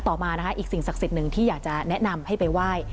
ต่อมานะคะอีกสิ่งศักดิ์สิทธิ์หนึ่งที่อยากจะแนะนำให้ไปไหว้